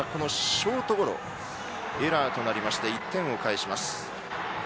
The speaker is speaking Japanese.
ショートゴロがエラーとなりまして１点を返します。